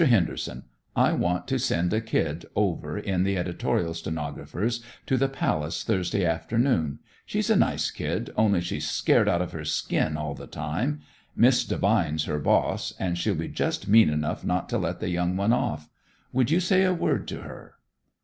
Henderson, I want to send a kid over in the editorial stenographers' to the Palace Thursday afternoon. She's a nice kid, only she's scared out of her skin all the time. Miss Devine's her boss, and she'll be just mean enough not to let the young one off. Would you say a word to her?"